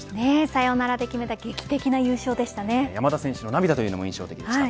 サヨナラで決めた劇的な優勝で山田選手の涙も印象的でした。